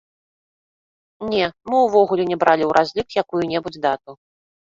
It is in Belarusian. Не, мы ўвогуле не бралі ў разлік якую-небудзь дату.